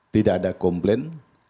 tidak ada komplain